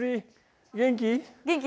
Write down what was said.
元気？